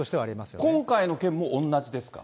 今回の件も同じですか？